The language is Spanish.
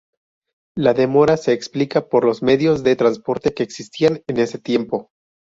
La demora se explica por los medios de transporte que existían en ese tiempo.